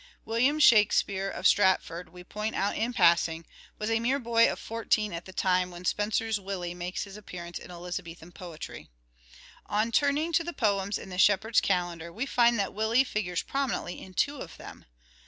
William Shakspere of Stratford, we point out in passing, was a mere boy of fourteen at the time when Spenser's " Willie " makes his appearance in Elizabethan poetry. A rhyming On turning to the poems in " The Shepherd's match Calender " we find that " Willie " figures prominently in two of them.